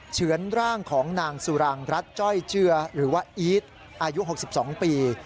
เฉือนร่างของนางสุรางรัฐจ้อยเจือหรือว่าอีทอายุ๖๒ปี